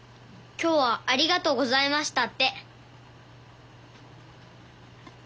今日はありがとうございましたって。